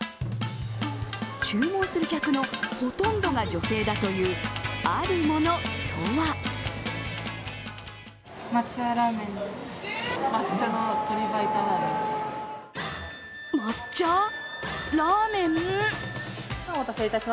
注文する客のほとんどが女性だという、あるものとは抹茶？ラーメン？